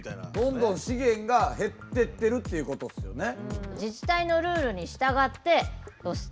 どんどん資源が減ってってるっていうことっすよね。